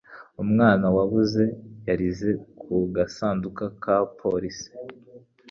Umwana wabuze yarize ku gasanduku ka polisi.